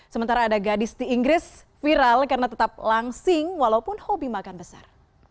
sementara ada gadis di inggris viral karena tetap langsing walaupun hobi makan besar